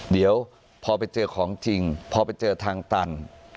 เดี๋ยวพอไปเจอของจริงพอไปเจอทางตัน